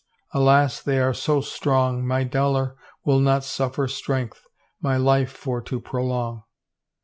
Alas they are so strong. My dolour will not suffer strength My life for to prolong!